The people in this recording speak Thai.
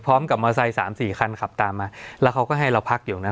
พร้อมกับมอเตอร์ไซค์สามสี่คันขับตามมาแล้วเขาก็ให้เราพักอยู่ตรงนั้น